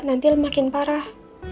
nanti makin parah